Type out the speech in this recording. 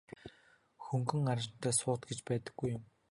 Хөнгөн араншинтай суут гэж байдаггүй юм.